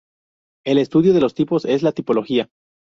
El estudio de los tipos es la tipología.